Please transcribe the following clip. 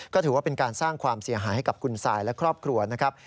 ก็ถือว่าเป็นการสร้างความเสียหายให้กับคุณซายและครอบครัวนะครับ